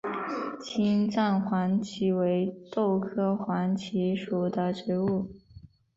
青藏黄耆为豆科黄芪属的植物。